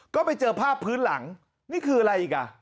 ก็ไปเจอภาพพื้นหลังนี่คืออะไรอีกอ่ะ